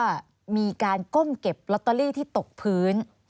ว่ามีการก้มเก็บลอตเตอรี่ที่ตกพื้น